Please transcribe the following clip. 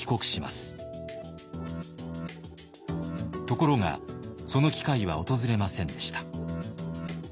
ところがその機会は訪れませんでした。